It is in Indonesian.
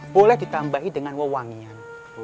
boleh ditambahi dengan wawangian